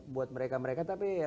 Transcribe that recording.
buat mereka mereka tapi